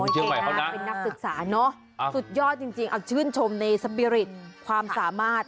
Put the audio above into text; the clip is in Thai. อ๋อเชียงใหม่เหรอนะเป็นนักศึกษาเนอะสุดยอดจริงอักชื่นชมในสปิริตความสามารถ